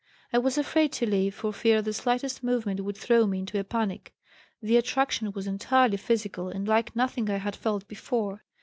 I was afraid to leave, for fear the slightest movement would throw me into a panic. The attraction was entirely physical and like nothing I had felt before.